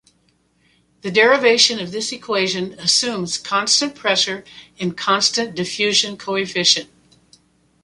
The derivation of this equation assumes constant pressure and constant diffusion coefficient.